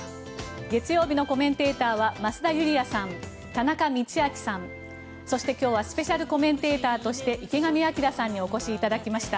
月曜日のコメンテーターは増田ユリヤさん、田中道昭さんそして今日はスペシャルコメンテーターとして池上彰さんにお越しいただきました。